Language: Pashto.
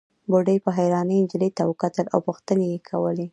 بوډۍ په حيرانۍ نجلۍ ته کتل او پوښتنې يې کولې.